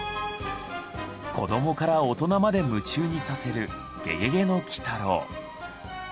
子供から大人まで夢中にさせる「ゲゲゲの鬼太郎」。